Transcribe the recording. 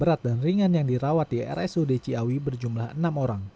berat dan ringan yang dirawat di rsud ciawi berjumlah enam orang